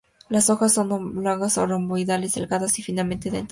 Las hojas son oblongas o romboidales, delgadas y finamente dentadas.